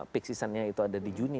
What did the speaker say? peak seasonnya itu ada di juni